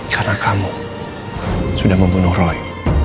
karena kamu sudah membunuh roy